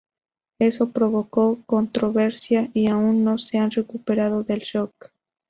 Eso provocó controversia, y aún no se ha recuperado del shock.